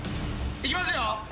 いきますよ。